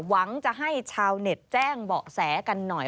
หวังจะให้ชาวเน็ตแจ้งเบาะแสกันหน่อย